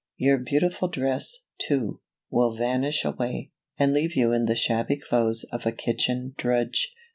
Your beautiful dress, too, will vanish away, and leave you in the shabby clothes of a kitchen drudge."